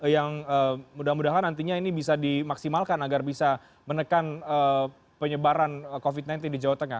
yang mudah mudahan nantinya ini bisa dimaksimalkan agar bisa menekan penyebaran covid sembilan belas di jawa tengah